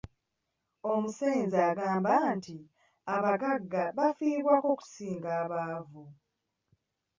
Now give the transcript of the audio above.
Omusenze agamba nti abagagga bafiibwako okusinga abaavu.